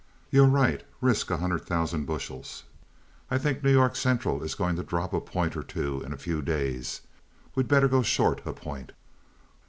"You're right. Risk a hundred thousand bushels. I think New York Central is going to drop a point or two in a few days. We'd better go short a point."